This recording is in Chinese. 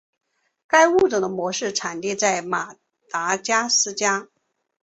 该物种的模式产地在马达加斯加。